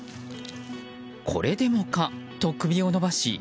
これでもかと首を伸ばし。